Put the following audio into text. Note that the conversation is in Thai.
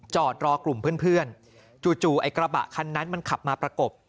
จอดรอกลุ่มเพื่อนจู่ไอ้กระบะคันนั้นมันขับมาประกบ